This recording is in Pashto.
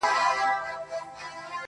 د خپل بخت په سباوون کي پر آذان غزل لیکمه-